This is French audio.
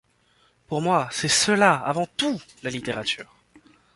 Pour moi, c'est cela, avant tout, la littérature.